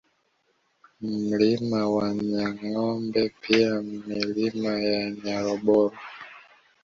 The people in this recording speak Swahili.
Mlima wa Nyangombe pia Milima ya Nyaroboro